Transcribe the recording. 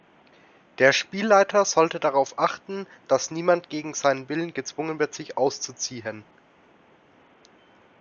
Der Spielleiter sollte darauf achten, dass niemand gegen seinen Willen gezwungen wird, sich auszuziehen.